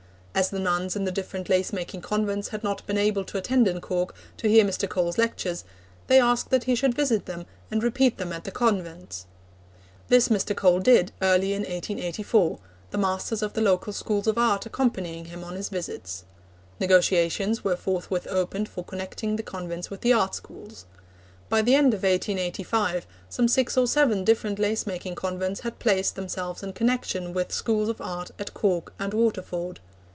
As the nuns in the different lace making convents had not been able to attend in Cork to hear Mr. Cole's lectures, they asked that he should visit them and repeat them at the convents. This Mr. Cole did early in 1884, the masters of the local Schools of Art accompanying him on his visits. Negotiations were forthwith opened for connecting the convents with the art schools. By the end of 1885 some six or seven different lace making convents had placed themselves in connection with Schools of Art at Cork and Waterford.